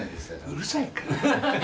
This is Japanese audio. うるさいから。